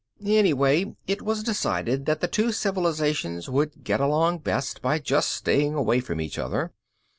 "Anyway, it was decided that the two civilizations would get along best by just staying away from each other.